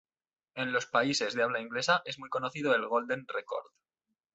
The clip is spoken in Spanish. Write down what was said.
En los países de habla inglesa es muy conocido el Golden Record.